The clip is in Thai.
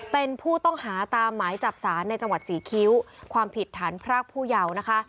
เป็นผู้ต้องหาตามหมายจับสารในจังหวัดศรีคิ้วความผิดฐานพรากผู้เยาว์นะคะ